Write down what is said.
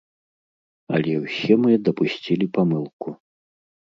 Але ўсе мы дапусцілі памылку.